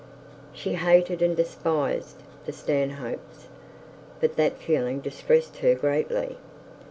She hated and despised the Stanhopes; but that feeling distressed her greatly.